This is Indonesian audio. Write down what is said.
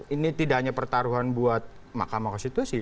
ini tidak hanya pertaruhan buat mahkamah konstitusi